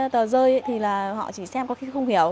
tờ rơi thì là họ chỉ xem có khi không hiểu